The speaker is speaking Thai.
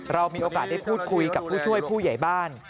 เรามีโอกาสได้พูดคุยกับผู้ช่วยผู้ใหญ่บ้าน